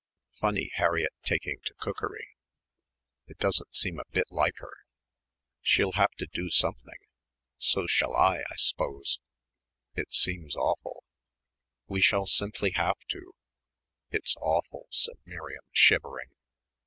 "Funny Harriett taking to cookery. It doesn't seem a bit like her." "She'll have to do something so shall I, I s'pose." "It seems awful." "We shall simply have to." "It's awful," said Miriam, shivering.